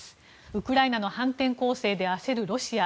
ウクライナの反転攻勢で焦るロシア。